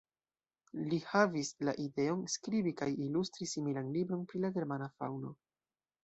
Li havis la ideon skribi kaj ilustri similan libron pri la germana faŭno.